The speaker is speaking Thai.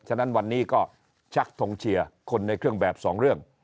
ฉะนั้นวันนี้ก็ชักทงเชียร์คนในเครื่องแบบสองเรื่อง